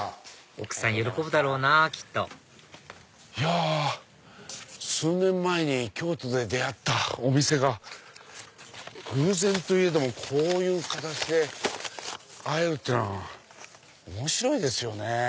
奥さん喜ぶだろうなきっといや数年前に京都で出会ったお店が偶然といえどもこういう形で会えるっていうのは面白いですよね。